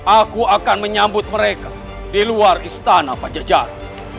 aku akan menyambut mereka di luar istana pajajar